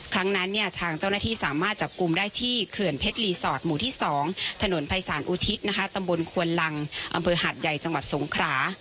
ครั้งนั้นเนี่ยทางเจ้าหน้าที่สามารถจับกลุ่มได้ที่เขื่อนเพชรรีสอร์ทหมู่ที่๒ถนนภัยศาลอุทิศนะคะตำบลควนลังอำเภอหาดใหญ่จังหวัดสงขรา